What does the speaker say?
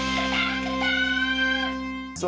บาปอาหร่อน